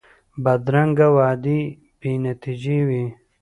بدرنګه وعدې بې نتیجې وي